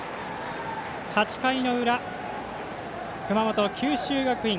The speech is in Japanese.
８回の裏、熊本、九州学院。